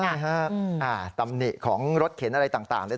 ใช่ฮะอืมอ่าตำหนิของรถเข็นอะไรต่างต่างเนี้ย